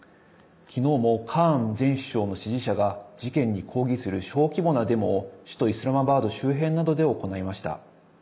昨日もカーン前首相の支持者が事件に抗議する小規模なデモを首都イスラマバード周辺などで行いました。